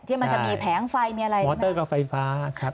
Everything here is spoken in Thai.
มันจะมีแผงไฟมีอะไรมอเตอร์กับไฟฟ้าครับ